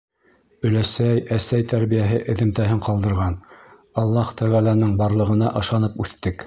Өләсәй, әсәй тәрбиәһе эҙемтәһен ҡалдырған: Аллаһ Тәғәләнең барлығына ышанып үҫтек.